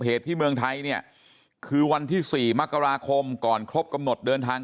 เหตุที่เมืองไทยเนี่ยคือวันที่๔มกราคมก่อนครบกำหนดเดินทาง